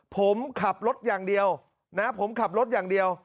ผมขับรถอย่างเดียวนะผมขับรถอย่างเดียว